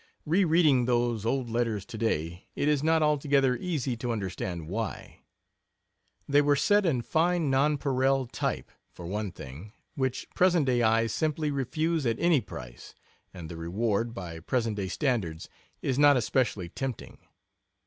Re reading those old letters to day it is not altogether easy to understand why. They were set in fine nonpareil type, for one thing, which present day eyes simply refuse at any price, and the reward, by present day standards, is not especially tempting.